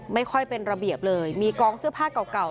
ไม่ค่อยเป็นระเบียบเลยมีกองเสื้อผ้าเก่า